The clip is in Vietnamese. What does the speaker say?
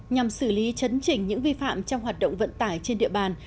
nhằm xử lý chấn chỉnh những vi phạm trong hoạt động vận tải trên địa bàn